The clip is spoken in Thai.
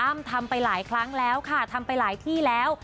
ทำไปหลายครั้งแล้วค่ะทำไปหลายที่แล้ว